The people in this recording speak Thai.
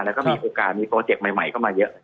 แล้วก็มีโอกาสมีโปรเจกต์ใหม่เข้ามาเยอะ